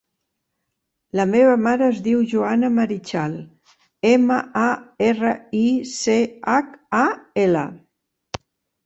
La meva mare es diu Joana Marichal: ema, a, erra, i, ce, hac, a, ela.